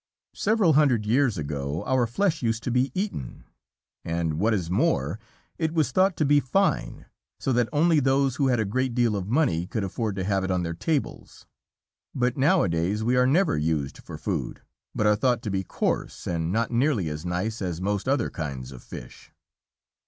Several hundred years ago our flesh used to be eaten, and what is more, it was thought to be fine, so that only those who had a great deal of money could afford to have it on their tables. But nowadays we are never used for food, but are thought to be coarse, and not nearly as nice as most other kinds of fish.